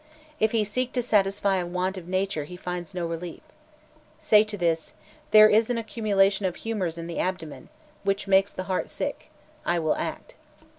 If he seek to satisfy a want of nature he finds no relief. Say to this, 'There is an accumulation of humours in the abdomen, which makes the heart sick. I will act.'"